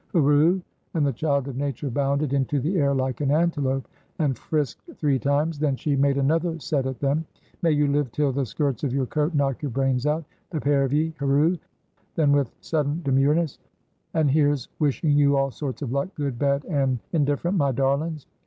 "Hurroo!" And the child of Nature bounded into the air like an antelope, and frisked three times; then she made another set at them. "May you live till the skirts of your coat knock your brains out, the pair of ye! hurroo!" Then with sudden demureness, "An' here's wishing you all sorts of luck, good, bad an' indifferent, my darlin's.